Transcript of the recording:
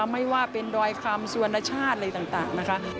ไม่ว่าเป็นดรคับศลัชาติอะไรต่าง